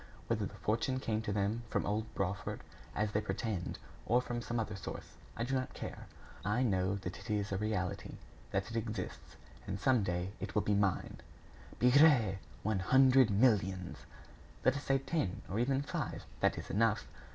Whether the fortune came to them from old Brawford, as they pretend, or from some other source, I do not care. I know that it is a reality; that it exists. And some day it will be mine." "Bigre! One hundred millions!" "Let us say ten, or even five that is enough!